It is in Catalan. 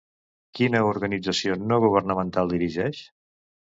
Quina organització no governamental dirigeix?